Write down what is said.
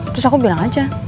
terus aku bilang aja